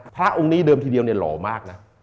พระองค์นี้เดิมทีเดียวหล่อมาก